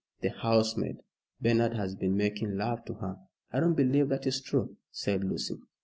"The housemaid. Bernard has been making love to her." "I don't believe that is true," said Lucy.